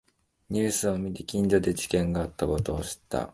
ニュースを見て近所で事件があったことを知った